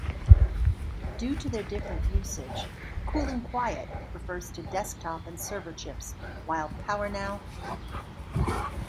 Due to their different usage, "Cool'n'Quiet" refers to desktop and server chips, while "PowerNow!